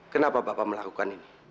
kenapa bapak melakukan ini